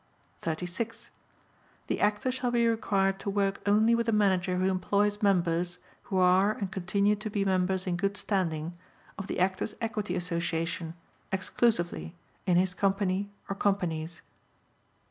36. The actor shall be required to work only with a manager who employs members (who are and continue to be members in good standing) of the Actors' Equity Association, exclusively, in his company or companies.